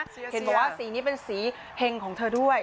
เห็นบอกว่าสีนี้เป็นสีเห็งของเธอด้วย